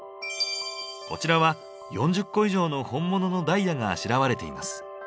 こちらは４０個以上の本物のダイヤがあしらわれています。